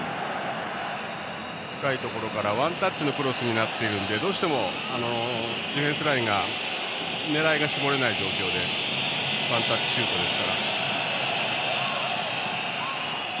深いところからワンタッチのクロスになってるんでどうしてもディフェンスラインが狙いが絞れない状況でワンタッチシュートですから。